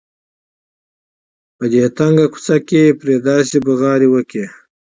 په دې تنګه کوڅه کې یې پرې داسې بغارې وکړې.